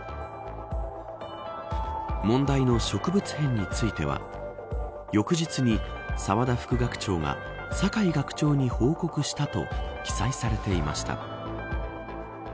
問題の植物片については翌日に、澤田副学長が酒井学長に報告したと記載されていました。